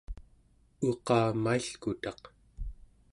uqamailkutaq